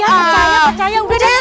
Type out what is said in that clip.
ya percaya percaya